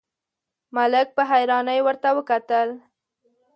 ملک په حيرانۍ ور وکتل: